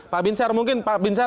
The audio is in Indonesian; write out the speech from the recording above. pak binsar mungkin pak binsar